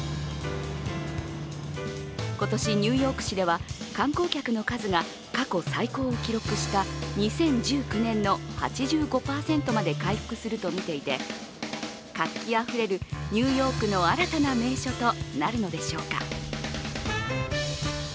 今年、ニューヨーク市では観光客の数が過去最高を記録した２０１９年の８５％まで回復するとみていて活気あふれるニューヨークの新たな名所となるのでしょうか。